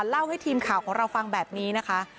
เล่าให้ทีมข่าวของเราฟังแบบนี้นะคะ